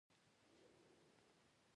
تشناب مو په کور کې دننه دی؟